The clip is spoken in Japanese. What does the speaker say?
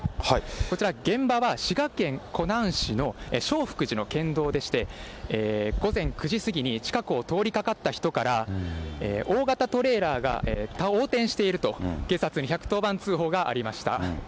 こちら、現場は滋賀県湖南市のしょうふくじの県道でして、午前９時過ぎに近くを通りかかった人から、大型トレーラーが横転していると、警察に１１０番通報がありました。